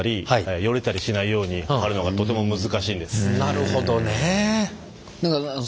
なるほどね。